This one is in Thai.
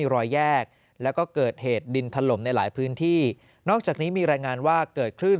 รอยแยกแล้วก็เกิดเหตุดินถล่มในหลายพื้นที่นอกจากนี้มีรายงานว่าเกิดคลื่น